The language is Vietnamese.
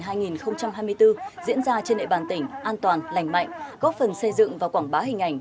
diễn ra trên địa bàn tỉnh an toàn lành mạnh góp phần xây dựng và quảng bá hình ảnh